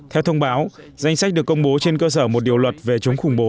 theo thông báo danh sách được công bố trên cơ sở một điều luật về chống khủng bố